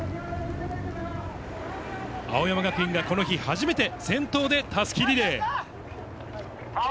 青山学院がこの日、初めて先頭でたすきリレー。